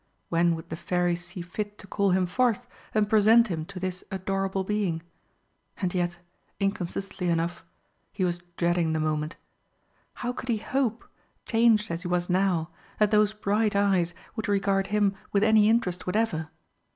When would the Fairy see fit to call him forth and present him to this adorable being? And yet, inconsistently enough, he was dreading the moment. How could he hope, changed as he was now, that those bright eyes would regard him with any interest whatever?